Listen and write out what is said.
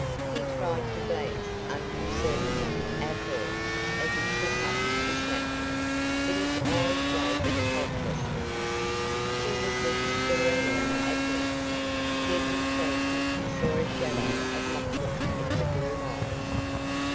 He tried to glance unconcernedly at her as he took up his napkin, but his eyes wavered helplessly. She was looking serenely at him, yet he fancied he saw a shadow of mockery in her blue eyes.